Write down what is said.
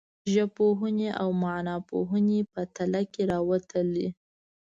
ژبپوهنې او معناپوهنې په تله کې راوتلي.